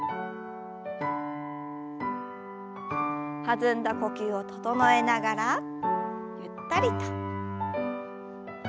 弾んだ呼吸を整えながらゆったりと。